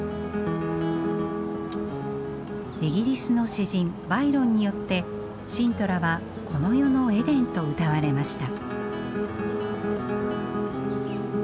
イギリスの詩人バイロンによってシントラはこの世のエデンとうたわれました。